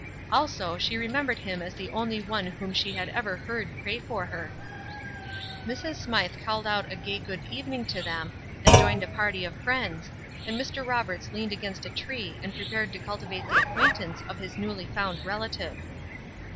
Also, she remembered him as the only one whom she had ever heard pray for her. Mrs. Smythe called out a gay good evening to them, and joined a party of friends, and Mr. Roberts leaned against a tree and prepared to cultivate the acquaintance of his newly found relative.